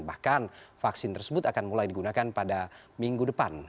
bahkan vaksin tersebut akan mulai digunakan pada minggu depan